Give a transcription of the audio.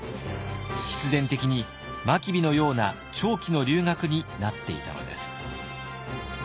必然的に真備のような長期の留学になっていたのです。